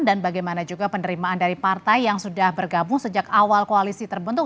dan bagaimana juga penerimaan dari partai yang sudah bergabung sejak awal koalisi terbentuk